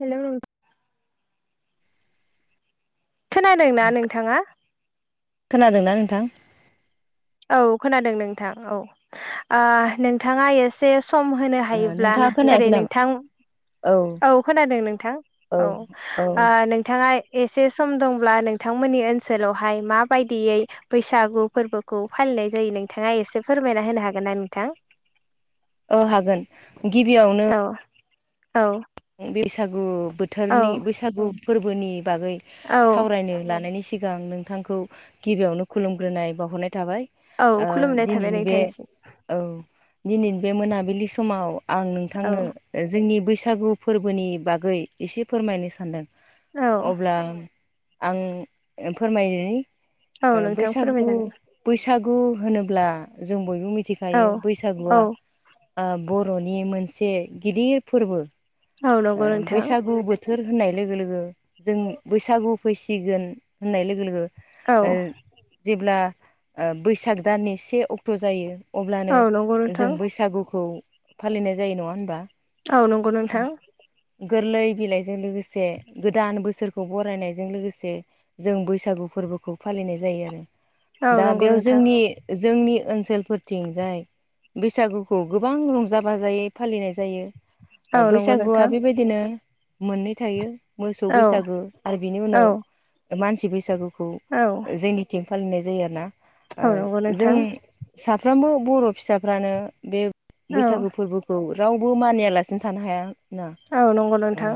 Hello खोनादों ना नोंथाङा खोनादोंना नोंथां औ खोनादों नोंथां औ ओ नोंथाङा एसे सम होनो ओ हायोब्ला नोंथाङा खोनायाखै जेरै नामा नोंथां औ खोनादों नोंथां औ औ ओ नोंथाङा एसे सम दंब्ला नोंथांमोननि ओनसोलावहाय माबायदियै बैसागु फोरबो खौ फालिनाय जायो नोंथाङा एसे फोरमायना होनो हागोन ना नोंथां ओ हागोन गिबियावनो औ औ बैसागु औ बोथोरनि बैसागु फोरबोनि बागै औ सावरायनो लानायनि सिगां नोंथांखौ गिबियावनो खुलुमग्रोनाय बावहरनाय थाबाय औ ओ खुलुमनाय थाबाय दिनैनि बे नोंथांनिसिम औ दिनै बे मोनाबिलि समाव आं औ नोंथांनो जोंनि बैसागु फोरबोनि बागै एसे फोरमायनो सानदों औ अब्ला आं फोरमायनोनि औ नोंथां बैसागु फोरमायजागोन बैसागु होनोब्ला जों बयबो औ मिथिखायो औ बैसागुआ ओ बर'नि मोनसे गिदिर फोरबो औ नंगौ ओ नोंथां बैसागु बोथोर बोथोर होननाय लोगो लोगो जों बैसागु फैसिगोन होननाय लोगो लोगो औ ओ जेब्ला बैसाग दाननि से अक्ट' जायो अब्लानो औ नंगौ जों नोंथां बैसागुखौ फालिनाय जायो नङा होनबा औ नंगौ नोंथां गोरलै बिलाइजों लोगोसे गोदान बोसोरखौ बरायनायजों लोगोसे जों बैसागु फोरबोखौ फालिनाय जायो आरो औ दा नंगौ बेयाव नोंथां जोंनि जोंनि ओनसोल फोरथिंजाय बैसागुखौ गोबां रंजा बाजायै फालिनाय जायो औ ओ नंगौ बैसागुआ नोंथां बेबायदिनो मोननै थायो मोसौ औ बैसागो आरो बिनि औ उनाव मानसि बैसागोखौ औ जोंनि थिं फालिनाय जायो आरो ना ओ औ नंगौ जों नोंथां साफ्रोमबो बर' फिसाफ्रानो बे औ बैसागो फोरबोखौ रावबो मानियालासिनो थानो हाया ना औ नंगौ ओ नोंथां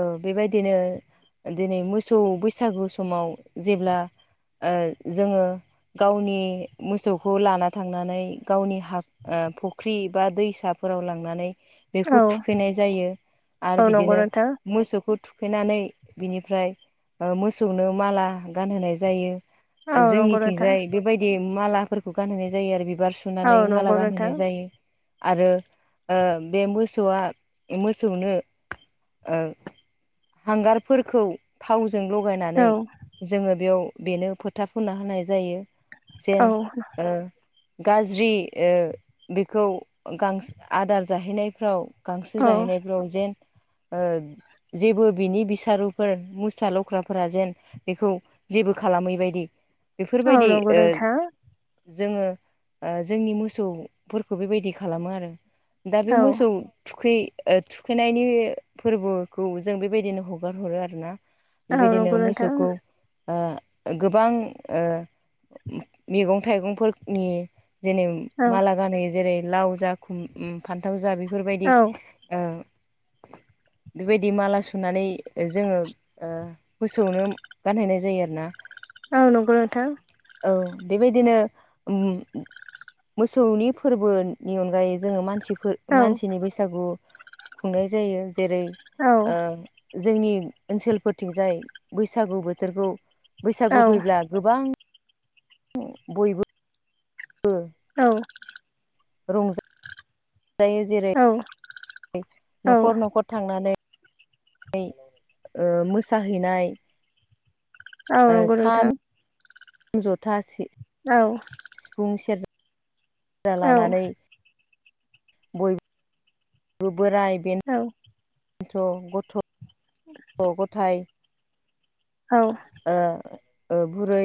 ओ बेबायदिनो दिनै मोसौ बैसागु समाव जेब्ला ओ जोङो गावनि मोसौखौ लाना थांनानै गावनि हा ओ फुख्रि एबा दैसाफोराव लांनानै औ बेखौ थुखैनाय जायो आरो औ नंगौ बिदिनो नोंथां मोसौखौ थुखैनानै बिनिफ्राय ओ मोसौनो माला गानहोनाय जायो औ नंगौ नोंथां जोंनिथिंजाय बेबायदि बि मालाफोरखौ गानहोनाय जायो आरो बिबार औ सुनानै माला नंगौ नोंथां गानहोनाय जायो आरो बे ओ मोसौआ मोसौनो ओ हांगारफोरखौ थावजों लगायनानै औ जोङो बेयाव बेनो फोथा फुनना होनाय जायो औ जेन ओ गाज्रि ओ बेखौ गांस आदार जाहैनायफ्राव गांसो औ जाहैनायफ्राव जेन ओ जेबो बिनि बिसारुफोर मुस्रा लख्राफोरा जेन बेखौ जेबो खालामैबायदि औ बेफोरबायदि नंगौ ओ नोंथां जोङो ओ जोंनि मोसौफोरखौ बेबायदि खालामो आरो दा औ मोसौ थुखै ओ थुखैनायनि फोरबो खौ जों बेबायदिनो हगार हरो आरो ना औ नंगौ बेबायदिनो नोंथां मोसौखौ ओ गोबां ओ मैगं थाइगंफोरनि जेनै औ माला गानोहोयो जेरै लाव जा खुम उ फान्थाव जा बेफोरबायदि औ ओ बेबायदि माला सुनानै जोङो ओ मोसौनो गानहोनाय जायो आरोना औ नंगौ नोंथां औ बेबादिनो उम मोसौनि फोरबोनि अनगायै जोङो मानसि औ मानसिनि बैसागु खुंनाय जायो जेरै औ ओ जोंनि ओनसोलफोरथिंजाय बैसागु बोथोरखौ औ बैसागु फैब्ला गोबां बयबो ओ औ रंजायो जेरै औ न'खर न'खर थांनानै मोसाहैनाय औ ओ नंगौ खाम नोंथां। जथा सि औ सिफुं सेरजा औ लानानै बय बोराय औ बेन्थ' गथ' गथाइ औ ओ ओ बुरै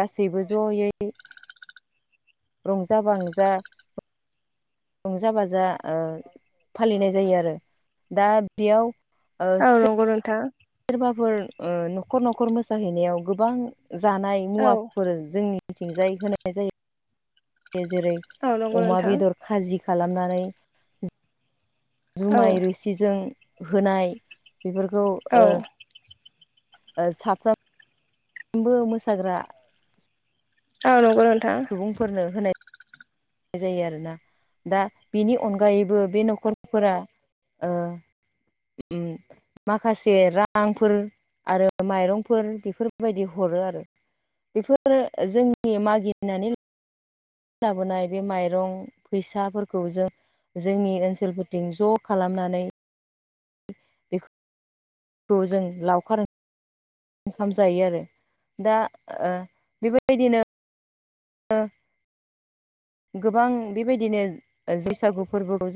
गासैबो ज'यै रंजा बांजा रंजा बाजा फालिनाय जायो आरो दा बेयाव औ नंगौ नोंथां। सोरबाफोर न'खर न'खर मोसाहैनायाव गोबां जानाय औ मुवाफोर जोंनि जोंनिथिंजाय होनाय जायो। जेरै औ नंगौ अमा नोंथां बेदर खाजि खालामनानै जुमाय औ रोसि जों होनाय बेफोरखौ औ ओ साफ्रोमबो मोसाग्रा औ नोंगौ नोंथां। बुंफोरनो होनाय जायो आरोना दा बिनि अनगायैबो बे न'खरफोरा उम माखासे रांफोर आरो माइरंफोर बेफोरबायदि हरो आरो। बेफोर जोंनि मागिनानै लाबोनाय बे माइरं फैसाफोरखौ जों जोंनि ओनसोलफोरथिं ज' खालामनानै बेखौ खौ जों लावखार ओं ओंखाम जायो आरो दा‌ ओ बेबादिनो ओ गोबां बेबायदिनो बैसागु फोरबोखौ जों